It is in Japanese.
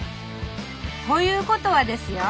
ということはですよ